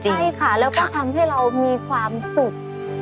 ใช่ค่ะแล้วก็ทำให้เรามีความสุข